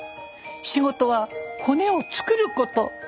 仕事は骨を作ること。